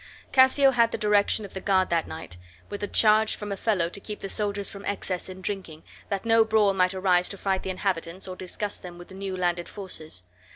Cassio had the direction of the guard that night, with a charge from Othello to keep the soldiers from excess in drinking, that no brawl might arise to fright the inhabitants or disgust them with the new landed forces.